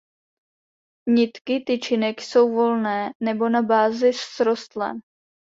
Nitky tyčinek jsou volné nebo na bázi srostlé.